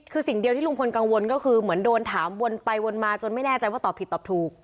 คือสิ่งเดียวที่ลุงพลกังวลก็คือเหมือนโดนถามวนไปวนมาจนไม่แน่ใจว่าตอบผิดตอบถูก